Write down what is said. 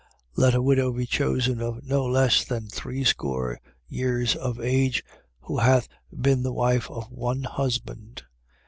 5:9. Let a widow be chosen of no less than threescore years of age, who hath been the wife of one husband.